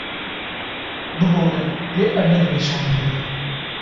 Bibore lê ev ne di beşa min de ye?